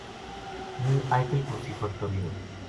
ہوں ایت الکرسی پڑھتو رہیو